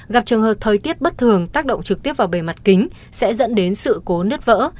gặp trường hợp thời tiết bất thường tác động trực tiếp vào bề mặt kính sẽ dẫn đến sự cố nứt vỡ